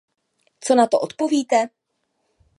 Co na to odpovíte?